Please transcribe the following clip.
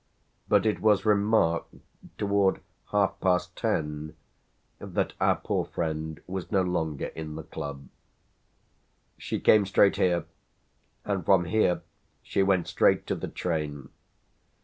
But it was remarked toward half past ten that our poor friend was no longer in the club." "She came straight here; and from here she went straight to the train."